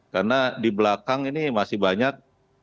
karena di belakang ini masih banyak